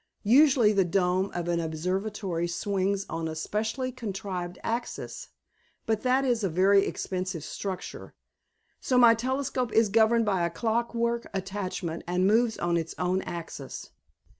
"Usually, the dome of an observatory swings on a specially contrived axis, but that is a very expensive structure, so my telescope is governed by a clockwork attachment and moves on its own axis."